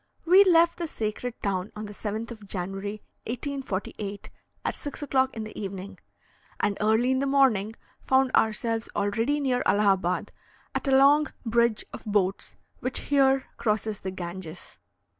We left the sacred town on the 7th of January, 1848, at 6 o'clock in the evening, and early in the morning found ourselves already near Allahabad, at a long bridge of boats which here crosses the Ganges.